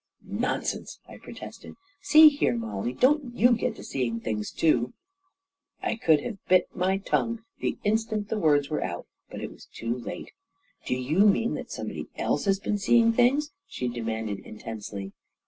" Nonsense !" I protested. " See here, Mollie, don't you get to seeing things, too 1 " I could have bit my tongue the instant the words were out, but it was too late. " Do you mean that somebody else has been see ing things ?" she demanded intensely.